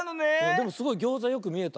でもすごいギョーザよくみえた。